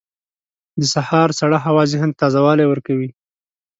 • د سهار سړه هوا ذهن ته تازه والی ورکوي.